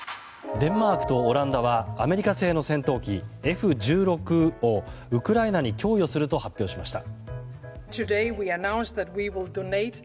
デンマークとオランダはアメリカ製の戦闘機Ｆ１６をウクライナに供与すると発表しました。